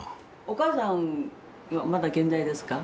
お母さんまだ健在ですか？